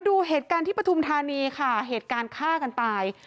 ดูเหตุการณ์ที่ปฐุมธานีค่ะเหตุการณ์ฆ่ากันตาย